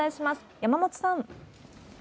山本さん。